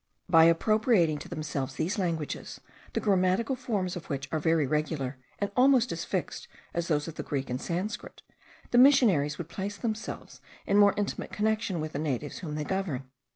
By appropriating to themselves these languages, the grammatical forms of which are very regular, and almost as fixed as those of the Greek and Sanscrit, the missionaries would place themselves in more intimate connection with the natives whom they govern.